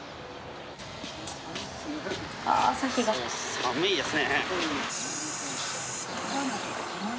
寒いですね。